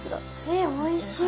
えっおいしい。